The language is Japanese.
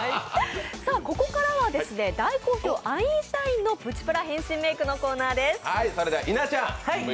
ここからは大好評、アインシュタインのプチプラ変身メークのコーナーです。